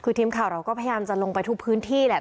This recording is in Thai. คือทีมข่าวเราก็พยายามจะลงไปทุกพื้นที่แหละ